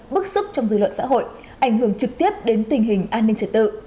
bức xúc trong dư luận xã hội ảnh hưởng trực tiếp đến tình hình an ninh trật tự